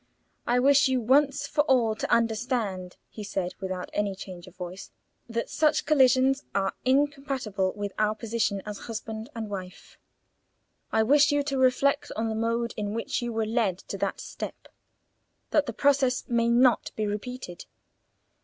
"I wish you once for all to understand," he said, without any change of voice, "that such collisions are incompatible with our position as husband and wife. I wish you to reflect on the mode in which you were led to that step, that the process may not be repeated."